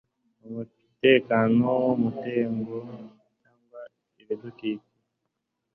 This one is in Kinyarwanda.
umutekano umutungo cyangwa ibidukiki